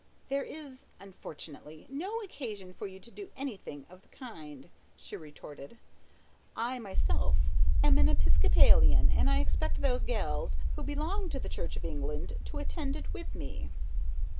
"There is unfortunately! no occasion, for you to do anything of the kind," she retorted. "I myself, am an Episcopalian, and I expect those gels, who belong to the Church of England, to attend it, with me."